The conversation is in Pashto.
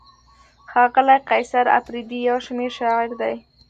ښاغلی قیصر اپریدی یو شمېر شاعر دی.